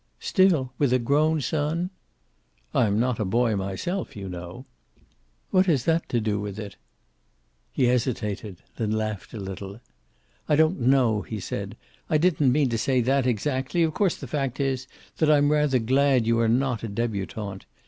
"Still? With a grown son?" "I am not a boy myself, you know." "What has that to do with it?" He hesitated, then laughed a little. "I don't know," he said. "I didn't mean to say that, exactly. Of course, that fact is that I'm rather glad you are not a debutante.